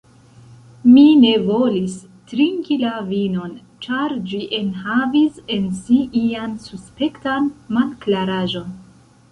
Mi ne volis trinki la vinon, ĉar ĝi enhavis en si ian suspektan malklaraĵon.